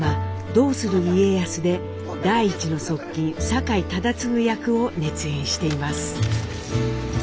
「どうする家康」で第一の側近酒井忠次役を熱演しています。